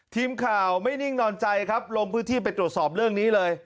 ทีมข่าวไม่นิ่งนอนใจครับลงพื้นที่ไปตรวจสอบเรื่องนี้เลย